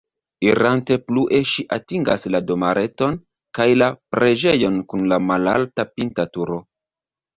Irante plue ŝi atingas la domareton kaj la preĝejon kun la malalta pinta turo.